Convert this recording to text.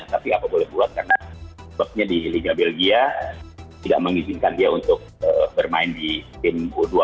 tapi apa boleh buat karena sebabnya di liga belgia tidak mengizinkan dia untuk bermain di tim u dua puluh